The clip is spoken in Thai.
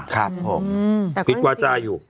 ครับผมปิดวาจาอยู่